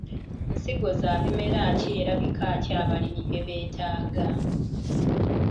Nsigo za bimera ki era bika ki abalimi bye beetaaga?